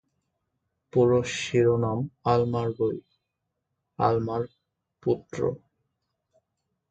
পুরো শিরোনাম আলমার বই: আলমার পুত্র।